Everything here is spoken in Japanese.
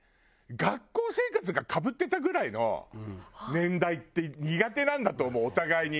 学校生活がかぶってたぐらいの年代って苦手なんだと思うお互いに。